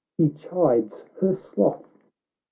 He chides her sloth !"